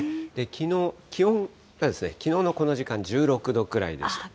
きのう、気温が、きのうのこの時間、１６度くらいでした。